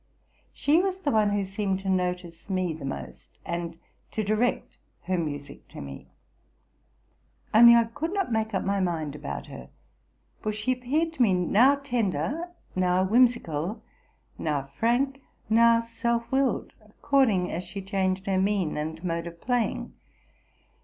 She was the one who scemed to notice me the most, and to direct her music to me: only I could not make up my mind about her; for she appeared to me now tender, now whimsical, now frank, now self willed, according as she changed her mien and mode of playing.